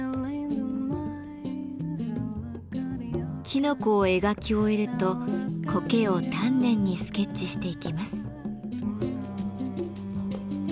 きのこを描き終えるとコケを丹念にスケッチしていきます。